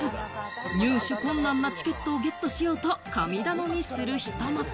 入手困難なチケットをゲットしようと神頼みする人も。